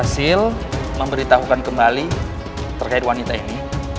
hasil memberitahukan kembali terkait wanita ini